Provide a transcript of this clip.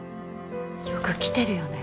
よく来てるよね